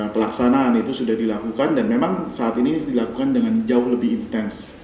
pelaksanaan itu sudah dilakukan dan memang saat ini dilakukan dengan jauh lebih intens